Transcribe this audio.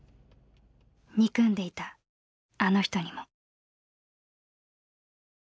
憎んでいたあの人にも。